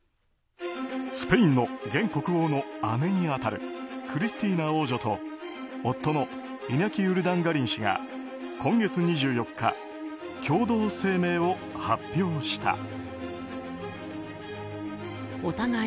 スペインの現国王の姉に当たるクリスティーナ王女と、夫のイニャキ・ウルダンガリン氏が今月２４日、共同声明を発表した。